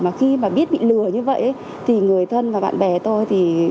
mà khi mà biết bị lừa như vậy thì người thân và bạn bè tôi thì